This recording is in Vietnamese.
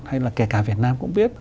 hay là kể cả việt nam cũng biết